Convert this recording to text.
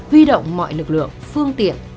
huy động mọi lực lượng phương tiện